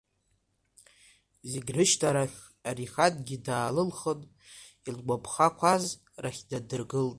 Зегь рышьҭахь Арихангьы даалылхын, илгәаԥхақәаз рахь днадыргылт.